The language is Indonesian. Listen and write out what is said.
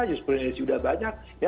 just provincial university sudah banyak